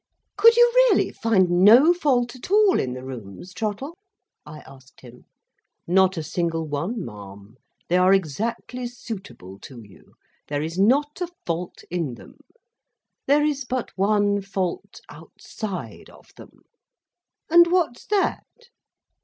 "Could you really find no fault at all in the rooms, Trottle?" I asked him. "Not a single one, ma'am. They are exactly suitable to you. There is not a fault in them. There is but one fault outside of them." "And what's that?"